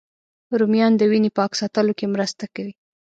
رومیان د وینې پاک ساتلو کې مرسته کوي